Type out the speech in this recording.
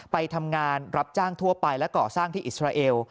ไปทำงานรับจ้างทั่วไปและก่อสร้างที่อิสราเอล